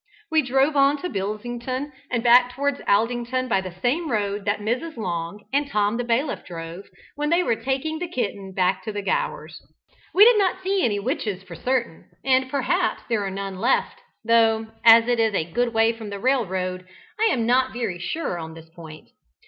We drove on to Bilsington and back towards Aldington by the same road that Mrs. Long and Tom the Bailiff drove, when they were taking the kitten back to the Gowers. We did not see any witches for certain, and perhaps there are none left, though, as it is a good way from a railroad, I am not very sure on this point.